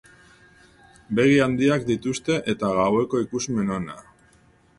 Begi handiak dituzte eta gaueko ikusmen ona.